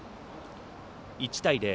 １対０。